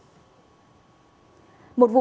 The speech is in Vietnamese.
cảnh sát hình sự